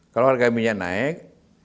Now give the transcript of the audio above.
kalau harga minyak naik